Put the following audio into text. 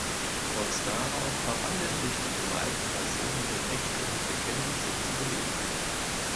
Kurz darauf verwandeln sich die gemalten Personen in echte und beginnen, sich zu bewegen.